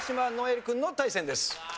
留君の対戦です。